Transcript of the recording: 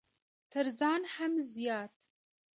تر ځان هم زيات!